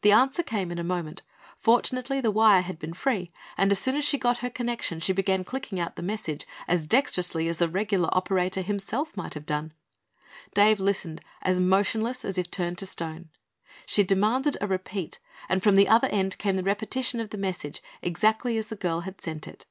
The answer came in a moment. Fortunately the wire had been free and as soon as she got her connection she began clicking out the message as dexterously as the regular operator himself might have done. Dave listened, as motionless as if turned to stone. She demanded a "repeat" and from the other end came the repetition of the message, exactly as the girl had sent it.